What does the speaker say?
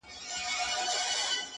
o څوک و یوه او څوک و بل ته ورځي,